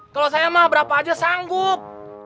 kalau saya mah berapa aja sanggup